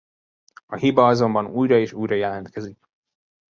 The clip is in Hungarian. A hiba azonban újra és újra jelentkezik.